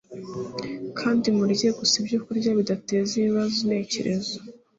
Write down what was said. kandi murye gusa ibyokurya bidateza ibibazo intekerezo